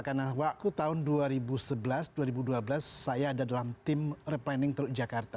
karena waktu tahun dua ribu sebelas dua ribu dua belas saya ada dalam tim replanning teruk jakarta